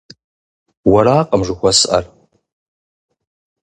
Уэракъым жыхуэсӏэр.